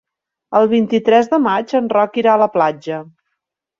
El vint-i-tres de maig en Roc irà a la platja.